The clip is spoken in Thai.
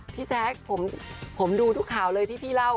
พี่แจ๊คผมดูทุกข่าวเลยที่พี่เล่า